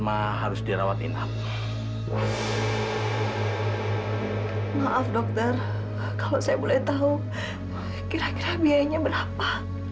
kalau saya boleh tahu kira kira biayanya berapa